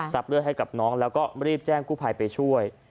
เลือดให้กับน้องแล้วก็รีบแจ้งกู้ภัยไปช่วย